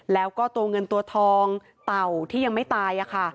แล้วก็ตัวเงินตัวทองเต่าที่ยังไม่ตายค่ะ